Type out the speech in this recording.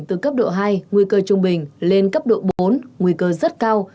từ cấp độ hai nguy cơ trung bình lên cấp độ bốn nguy cơ rất cao